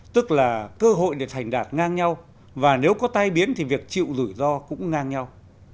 tức là cơ hội để thành đạt ngang nhau và nếu có tai biến thì việc chịu rủi ro cũng ngang nhau